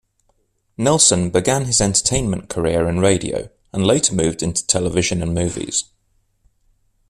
Nelson began his entertainment career in radio, and later moved into television and movies.